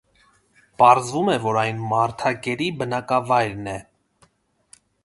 Պարզվում է, որ այն մարդակերի բնակավայրն է։